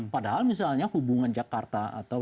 padahal misalnya hubungan jakarta dengan indonesia itu tidak ada